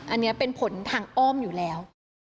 อันนี้เป็นผลทางอ้อมอยู่แล้ว